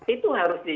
itu harus dilaksanakan